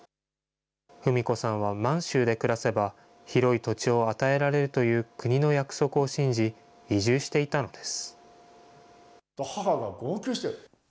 富美子さんは満州で暮らせば広い土地を与えられるという国の約束を信じ、移住していたのです。